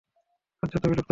কার্যত বিলুপ্ত হয়ে গেছে।